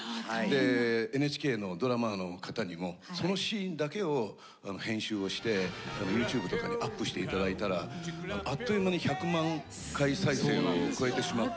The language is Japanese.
でＮＨＫのドラマの方にもそのシーンだけを編集をしてＹｏｕＴｕｂｅとかにアップして頂いたらあっという間に１００万回再生を超えてしまって。